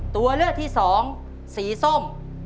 ตัวเลือกที่สองสีส้ม